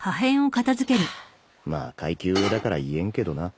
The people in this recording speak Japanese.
ハァまあ階級上だから言えんけどな